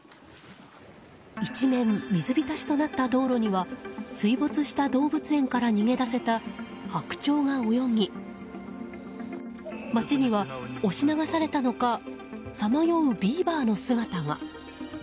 一面、水浸しとなった道路には水没した動物園から逃げだせた白鳥が泳ぎ街には、押し流されたのかさまようビーバーの姿が。